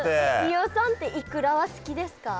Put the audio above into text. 飯尾さんってイクラは好きですか？